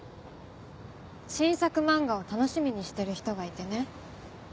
新作漫画を楽しみにしてる人がいてね。